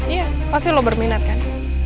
iya pasti lo berminat kan